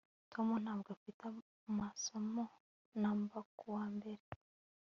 Tom ntabwo afite amasomo namba kuwa mbere